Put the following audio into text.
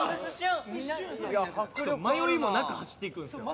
迷いもなく走っていくんですよ。